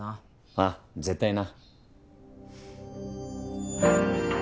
ああ絶対な。